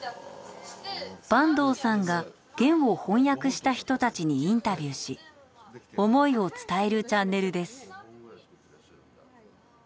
坂東さんが『ゲン』を翻訳した人たちにインタビューし思いを伝えるチャンネルです。